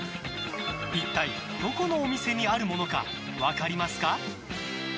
一体どこのお店にあるものか分かりますか？